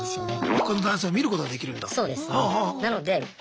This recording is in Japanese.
他の男性を見ることができるんだ？